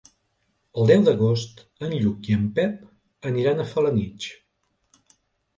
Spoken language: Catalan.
El deu d'agost en Lluc i en Pep aniran a Felanitx.